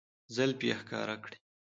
زلفې يې ښکاره کړې